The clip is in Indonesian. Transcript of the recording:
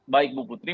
baik bu putri